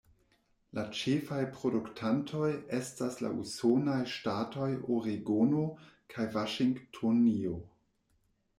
La ĉefaj produktantoj estas la usonaj ŝtatoj Oregono kaj Vaŝingtonio.